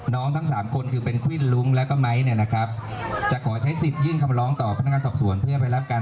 ผมถามว่าพรุ่งนี้เนี่ยพระตำรวจจะขอฝากคำไหมตอบแค่นี้ตอบให้ตรงประเด็น